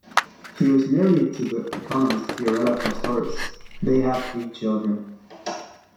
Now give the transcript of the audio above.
He was married to the economist Fiorella Kostoris; they have three children.